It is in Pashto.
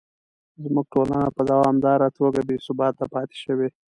زموږ ټولنه په دوامداره توګه بې ثباته پاتې شوې.